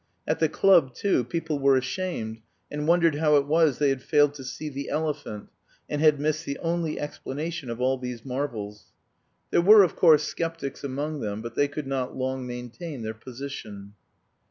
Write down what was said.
At the club, too, people were ashamed and wondered how it was they had failed to "see the elephant" and had missed the only explanation of all these marvels: there were, of course, sceptics among them, but they could not long maintain their position.